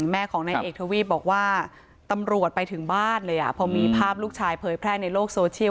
แม่ของนายเอกทวีปบอกว่าตำรวจไปถึงบ้านเลยพอมีภาพลูกชายเผยแพร่ในโลกโซเชียล